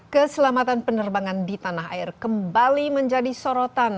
keselamatan penerbangan di tanah air kembali menjadi sorotan